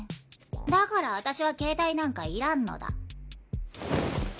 だからあたしは携帯なんかいらんのだ。